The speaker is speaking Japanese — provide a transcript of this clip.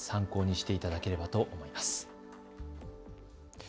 今、参考にしていただければと思います。